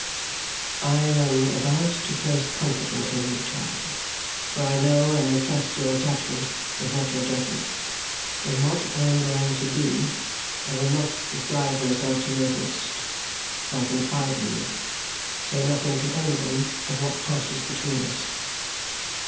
"I am about to place confidence in you, child, for I know I may trust your attachment, if not your judgment. In what I am going to do, I will not disguise myself to you at least. But I confide in you. Say nothing to any one of what passes between us."